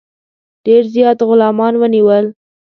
ډېر زیات غلامان ونیول.